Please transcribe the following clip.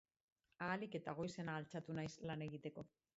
Ahalik eta goizena altxatu naiz lan egiteko.